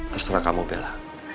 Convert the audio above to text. terserah kamu bella